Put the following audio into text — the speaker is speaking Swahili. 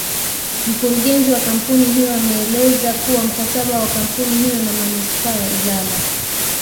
Mkurugenzi wa Kampuni hiyo ameeleza kuwa mkataba wa kampuni hiyo na Manispaa ya Ilala